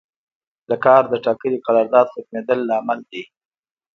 د کار د ټاکلي قرارداد ختمیدل لامل دی.